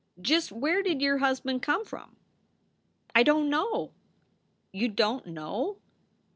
"Just where did your husband come from?" "I don t know!" "You don t know!"